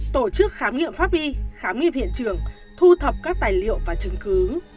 tổ chức khám nghiệm pháp y khám nghiệm hiện trường thu thập các tài liệu và chứng cứ